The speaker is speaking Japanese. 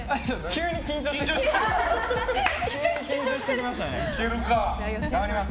急に緊張してきました。